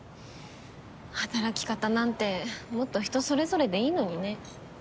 働き方なんてもっと人それぞれでいいのにね。